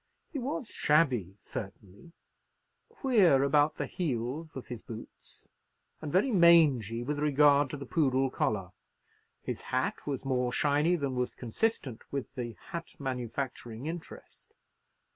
He was shabby, certainly; queer about the heels of his boots; and very mangy with regard to the poodle collar. His hat was more shiny than was consistent with the hat manufacturing interest.